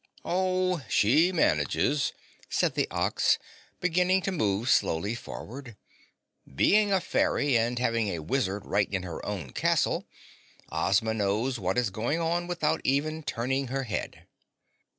"Oh, she manages," said the Ox, beginning to move slowly forward. "Being a fairy and having a wizard right in her own castle, Ozma knows what is going on without even turning her head."